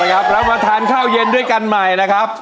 เอาละครับแล้วมาทานข้าวเย็นด้วยกันใหม่นะครับ